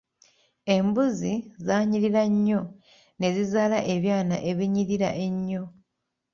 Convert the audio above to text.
Embuzi zaanyirira nnyo nezizaala ebyana ebinyirira ennyo.